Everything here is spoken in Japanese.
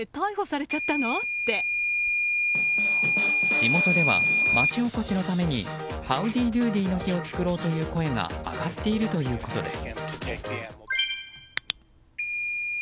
地元では、町おこしのためにハウディ・ドゥーディ−の日を作ろうという声が上がっているということです。